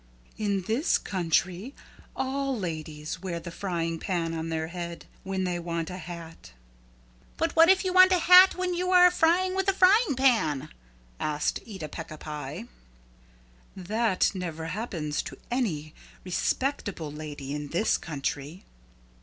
"In this country all ladies wear the frying pan on their head when they want a hat." "But what if you want a hat when you are frying with the frying pan?" asked Eeta Peeca Pie. "That never happens to any respectable lady in this country."